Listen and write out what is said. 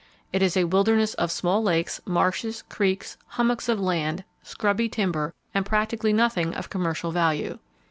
It is a wilderness of small lakes, marshes, creeks, hummocks of land, scrubby timber, and practically nothing of commercial value.